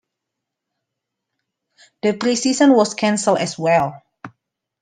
The preseason was canceled as well.